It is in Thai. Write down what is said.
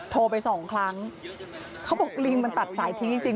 โทรไปสองครั้งเขาบอกลิงมันตัดสายทิ้งจริง